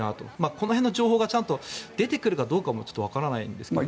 この辺の情報がちゃんと出てくるかどうかもわからないですけども。